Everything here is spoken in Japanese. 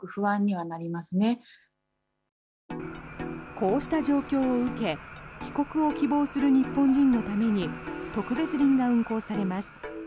こうした状況を受け帰国を希望する日本人のために特別便が運航されます。